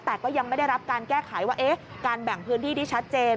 แต่ก็ยังไม่ได้รับการแก้ไขว่าการแบ่งพื้นที่ที่ชัดเจน